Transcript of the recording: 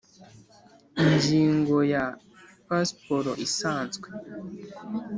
Ingingo ya pasiporo isanzwe